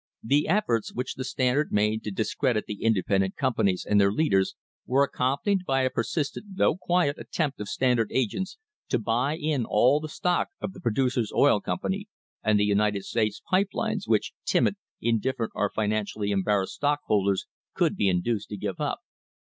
The efforts which the Standard made to discredit the in dependent companies and their leaders were accompanied by a persistent, though quiet, attempt of Standard agents to buy in all the stock in the Producers' Oil Company and the United States Pipe Lines which timid, indifferent, or finan cially embarrassed stockholders could be induced to give up.